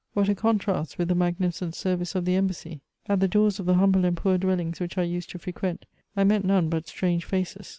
What a contrast with the magnificent service of the embassy ! At the doors of the humble and poor dwellings which I used to frequent I met none but strange faces.